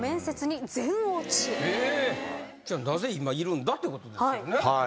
じゃあなぜ今いるんだってことですよね。